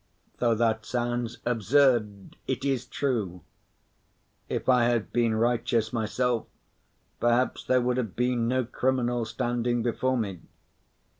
Though that sounds absurd, it is true. If I had been righteous myself, perhaps there would have been no criminal standing before me.